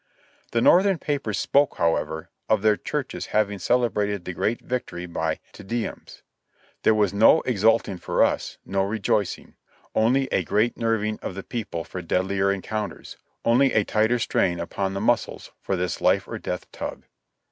The Northern papers spoke, however, of their churches having celebrated the great victory by '*Te Deums." There was no exulting for us, no rejoicing — only a great nerving of the people for deadlier encounters; only a tighter strain upon the muscles for this life or death tug.